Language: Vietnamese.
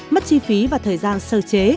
mất chi phí và thời gian sơ chế